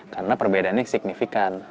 karena perbedaannya signifikan